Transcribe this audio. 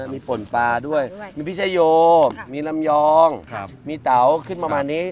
มีป่นปลาด้วยมีพิชโยมีลำยองมีเตาขึ้นประมาณนี้